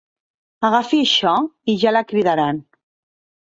Agafi això i ja la cridaran.